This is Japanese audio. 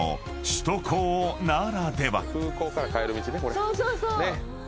そうそうそう！